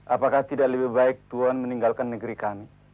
apakah tidak lebih baik tuhan meninggalkan negeri kami